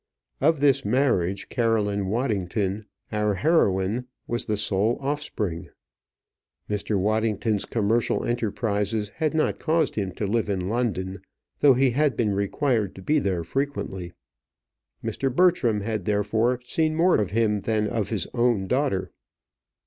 Of this marriage, Caroline Waddington, our heroine, was the sole offspring. Mr. Waddington's commercial enterprises had not caused him to live in London, though he had been required to be there frequently. Mr. Bertram had, therefore, seen more of him than of his own daughter.